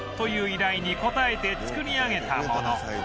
依頼に応えて作り上げたもの